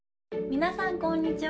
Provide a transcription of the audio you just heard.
皆さんこんにちは。